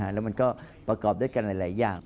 แล้วมันก็ประกอบด้วยกันหลายอย่าง